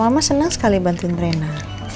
mama senang sekali bantuin rena